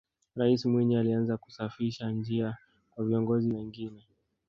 raisi mwinyi alianza kusafisha njia kwa viongozi wengine